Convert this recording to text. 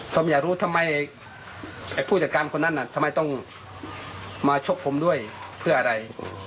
ผมอยากรู้ทำไมผู้จัดการคนนั้นทำไมต้องมาชกผมด้วยเพื่ออะไร